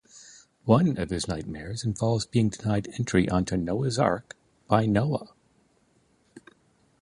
One of his nightmares involves his being denied entry onto Noah's Ark by Noah.